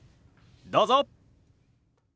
どうぞ！